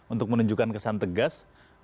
untuk menunjukkan kesan tegas